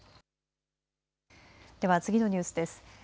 では次のニュースです。